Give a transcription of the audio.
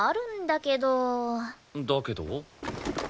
だけど？